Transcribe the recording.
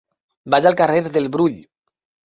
Vaig al carrer del Brull.